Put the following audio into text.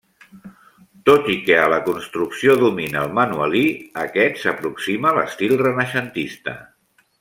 Tot i que a la construcció domina el manuelí, aquest s’aproxima a l’estil renaixentista.